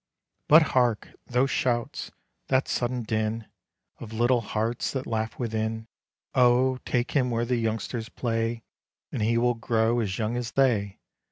But hark! those shouts! that sudden din Of little hearts that laugh within. Oh! take him where the youngsters play, And he will grow as young as they!